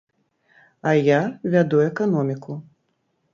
А я вяду эканоміку.